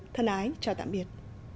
thân ái chào tạm biệt